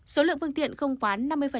số lượng phương tiện không khoán